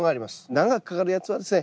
長くかかるやつはですね